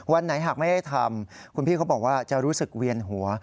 วันไหนหากไม่ได้ทำคุณพี่เขาบอกว่าจะรู้สึกเวียนหัว